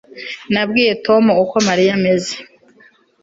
Nabwiye Tom uko Mariya ameze